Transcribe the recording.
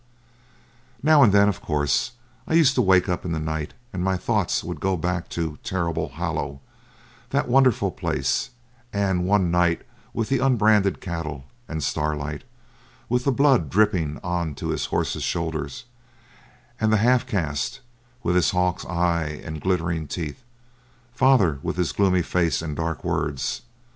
Now and then, of course, I used to wake up in the night, and my thoughts would go back to 'Terrible Hollow', that wonderful place; and one night with the unbranded cattle, and Starlight, with the blood dripping on to his horse's shoulder, and the half caste, with his hawk's eye and glittering teeth father, with his gloomy face and dark words.